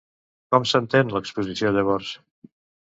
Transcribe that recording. Com s'entén l'exposició, llavors?